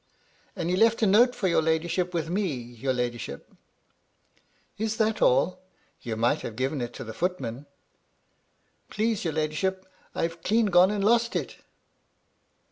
'' "And he left a note for your ladyship with me, your ladyship." "Is that all? You might have given it to the footman." " Please your ladyship, I've clean gone and lost it."